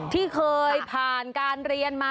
ที่เคยผ่านการเรียนมา